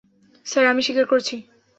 Sir, আমি স্বীকার করছি।